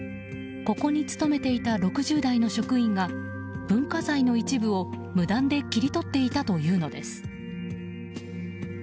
ここに勤めていた６０代の職員が文化財の一部を無断で切り取っていたというのです。